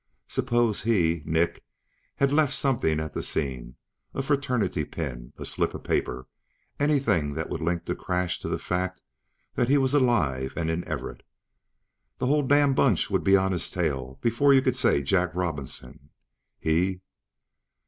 Suppose he, Nick, had left something at the scene ... a fraternity pin, a slip of paper ... anything that would link the crash to the fact that he was alive and in Everett. The whole damned bunch would be on his tail, before you could say, "Jack Robinson." He...